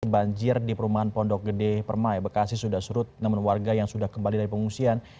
banjir di perumahan pondok gede permai bekasi sudah surut namun warga yang sudah kembali dari pengungsian